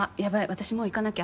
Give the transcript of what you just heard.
私もう行かなきゃ。